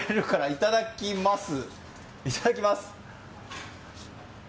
いただきます。